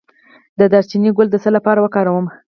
د دارچینی ګل د څه لپاره وکاروم؟